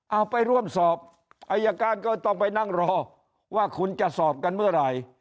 เอาไปร่วมสอบอายการก็ต้องไปนั่งรอว่าคุณจะสอบกันเมื่อไหร่